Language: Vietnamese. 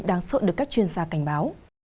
đáng sợ được các chuyên gia cảnh báo